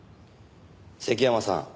関山さん